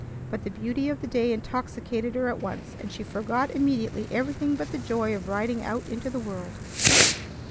But the beauty of the day intoxicated her at once, and she forgot immediately everything but the joy of riding out into the world.